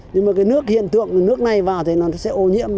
nhưng mà cái nước hiện tượng nước này vào thì nó sẽ ô nhiễm